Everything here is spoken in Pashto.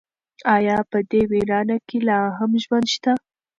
ایا په دې ویرانه کې لا هم ژوند شته؟